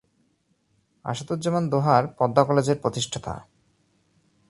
আসাদুজ্জামান দোহার পদ্মা কলেজের প্রতিষ্ঠাতা।